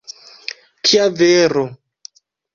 Kia viro!